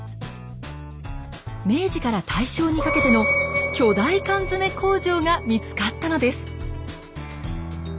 明治から大正にかけての巨大缶詰工場が見つかったのです。